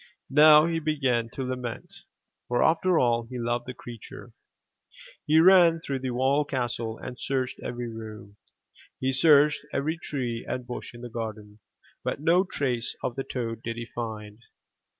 Now he began to lament, for after all, he loved the creature., He ran through the whole castle, and searched every room. He searched every tree and bush in the garden but no trace of the toad did he find.